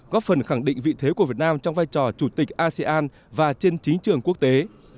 góp phần khẳng định vị thế của việt nam trong vai trò chủ tịch asean và trên chính trường quốc tế